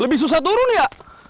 lebih susah turun ya